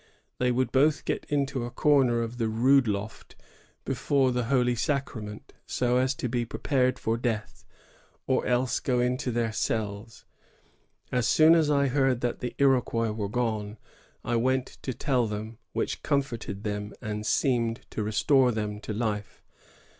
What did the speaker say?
They would both get into a comer of the rood loft, before the Holy Sacrament, so as to be prepared for death, or else go into their cells. As soon as I heard that the Iroquois were gone, I went to tell them, which comforted them and seemed to restore them to life.